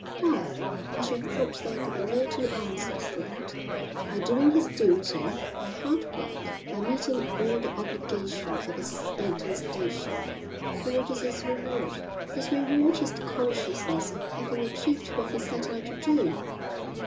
"Why, I should have thought there could be no two answers to that. By doing his duty, by hard work, by meeting all the obligations of his state and station." "And what is his reward?" "His reward is the consciousness of having achieved what he set out to do."